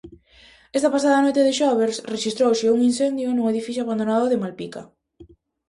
Esta pasada noite de xoves, rexistrouse un incendio nun edificio abandonado de Malpica.